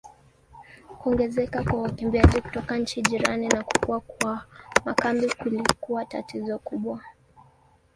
Kuongezeka kwa wakimbizi kutoka nchi jirani na kukua kwa makambi kulikuwa tatizo kubwa.